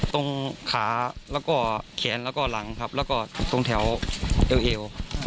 ตรงขาแล้วก็แขนแล้วก็หลังครับแล้วก็ตรงแถวเอวเอว